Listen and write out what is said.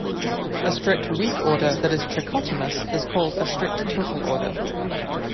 A strict weak order that is trichotomous is called a strict total order.